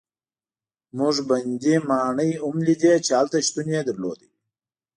موږ بندي ماڼۍ هم لیدې چې هلته شتون یې درلود.